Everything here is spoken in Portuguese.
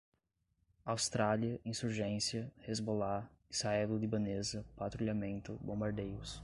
Austrália, insurgência, Hezbollah, israelo-libanesa, patrulhamento, bombardeios